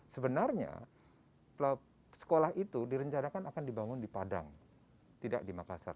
sebenarnya sekolah itu direncanakan akan dibangun di padang tidak di makassar